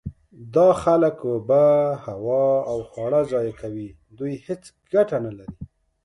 دا خلک اوبه، هوا او خواړه ضایع کوي. دوی هیڅ ګټه نلري.